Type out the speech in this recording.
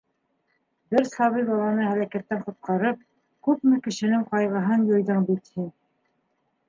Бер сабый баланы һәләкәттән ҡотҡарып, күпме кешенең ҡайғыһын юйҙың бит һин.